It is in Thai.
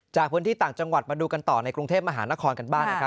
จากพื้นที่ต่างจังหวัดมาดูกันต่อในกรุงเทพมหานครกันบ้างนะครับ